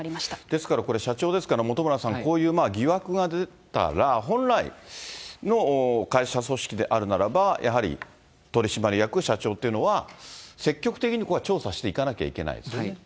ですからこれ、社長ですから本村さん、こういう疑惑が出たら、本来の会社組織であるならば、やはり取締役社長っていうのは、積極的にここは調査していかないといけないですよね。